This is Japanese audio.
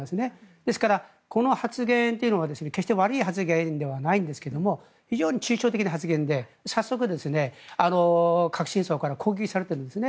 ですから、この発言というのは決して悪い発言ではないんですが非常に抽象的な発言で早速、革新層から攻撃されていますね。